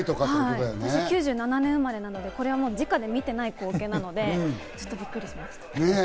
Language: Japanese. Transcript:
私、９７年生まれなので、これはじかに見ていない光景なので、ちょっとびっくりしました。